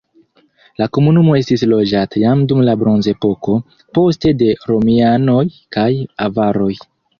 La komunumo estis loĝata jam dum la bronzepoko, poste de romianoj kaj avaroj.